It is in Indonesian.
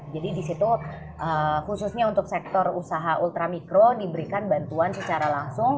jadi di situ khususnya untuk sektor usaha ultra mikro diberikan bantuan secara langsung